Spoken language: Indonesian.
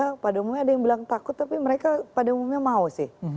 ya pada umumnya ada yang bilang takut tapi mereka pada umumnya mau sih